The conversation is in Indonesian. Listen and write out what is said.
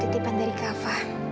itu titipan dari kak fah